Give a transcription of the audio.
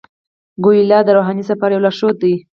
کویلیو د روحاني سفر یو لارښود دی.